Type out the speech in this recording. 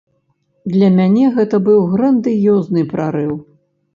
Для мяне гэта быў грандыёзны прарыў.